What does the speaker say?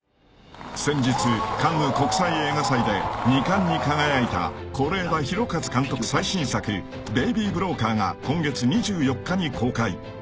［先日カンヌ国際映画祭で２冠に輝いた是枝裕和監督最新作『ベイビー・ブローカー』が今月２４日に公開］